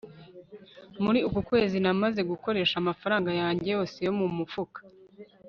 muri uku kwezi namaze gukoresha amafaranga yanjye yose yo mu mufuka